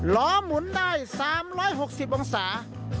ล้อหมุนได้๓๖๐องศา